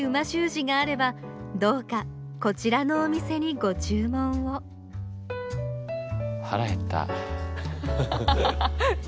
字があればどうかこちらのお店にご注文をはらへった。